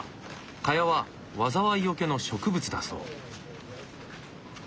茅は災いよけの植物だそう。